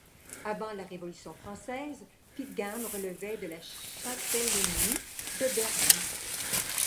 Avant la Révolution française, Pitgam relevait de la châtellenie de Bergues.